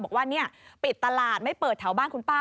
บอกว่าปิดตลาดไม่เปิดแถวบ้านคุณป้า